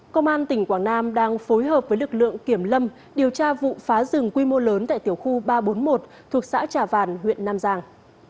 công an tỉnh quảng nam đang phối hợp với lực lượng kiểm lâm điều tra vụ phá rừng quy mô lớn tại tiểu khu ba trăm bốn mươi một thuộc xã trà vàn huyện nam giang